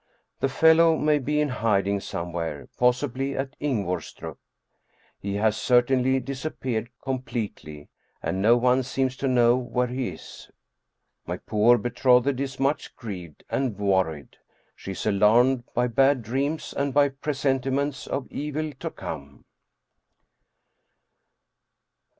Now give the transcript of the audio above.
The fellow may be in hiding somewhere, possibly at Ingvorstrup. He has certainly disappeared completely, and no one seems to know where he is. My poor betrothed is much grieved and worried. She is alarmed by bad dreams and by presentiments of evil to come.